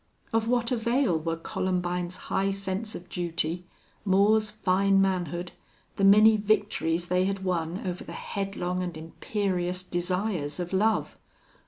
Of what avail were Columbine's high sense of duty, Moore's fine manhood, the many victories they had won over the headlong and imperious desires of love?